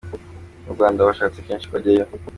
Mu Rwanda bashatse kenshi ko ajyayo.